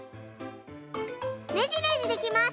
ねじねじできます！